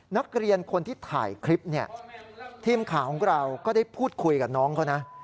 นักเรียนคนที่ถ่ายคลิปเนี่ยทีมข่าวของเราก็ได้พูดคุยกับน้องเขานะ